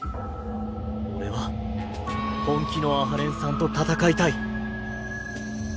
俺は本気の阿波連さんと戦いたい。